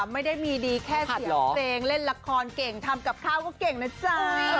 ไม่ได้มีดีแค่เสียงเพลงเล่นละครเก่งทำกับข้าวก็เก่งนะจ๊ะ